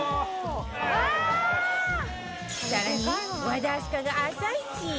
更に和田明日香が朝市へ